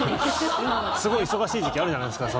すごい忙しい時期あるじゃないですか。